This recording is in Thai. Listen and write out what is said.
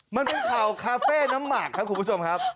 มันเป็นข่าวคาเฟ่น้ำหมากครับคุณผู้ชมครับ